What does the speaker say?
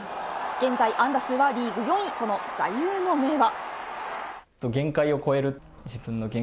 現在安打数はリーグ４位その座右の銘は。